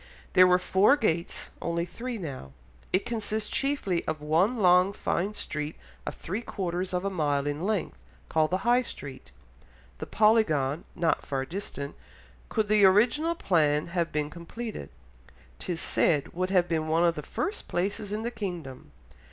There were four gates, only three now. It consists chiefly of one long fine street of three quarters of a mile in length, called the High Street.... The Polygon (not far distant) could the original plan have been completed, 'tis said, would have been one of the first places in the kingdom....